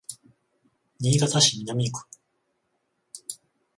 新潟市南区